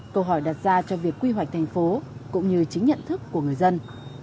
câu hỏi đặt ra cho việc quy hoạch thành phố cũng như chính nhận thức của người dân